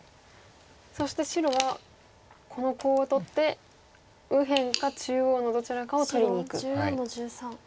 そして白はこのコウを取って右辺か中央のどちらかを取りにいく。